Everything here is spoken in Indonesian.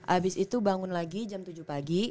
abis itu bangun lagi jam tujuh pagi